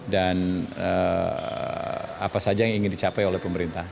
dan apa saja yang ingin dicapai oleh pemerintah